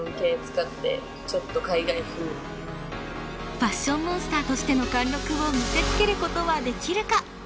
ファッションモンスターとしての貫禄を見せつける事はできるか？